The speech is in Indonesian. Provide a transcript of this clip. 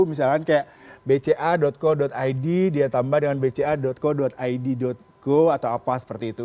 misalkan kayak bca co id dia tambah dengan bca co id co atau apa seperti itu